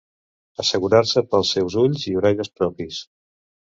Assegurar-se pels seus ulls i orelles propis.